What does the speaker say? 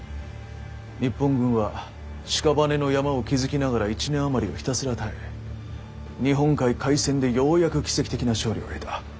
日本軍は屍の山を築きながら１年余りをひたすら耐え日本海海戦でようやく奇跡的な勝利を得た。